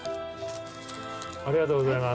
ありがとうございます。